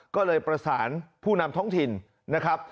ก็เลยประสานผู้นำท้องถิ่นนะครับ